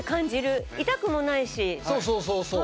そうそうそうそう。